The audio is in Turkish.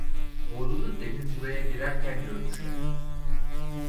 Oğlunu demin buraya girerken görmüşler…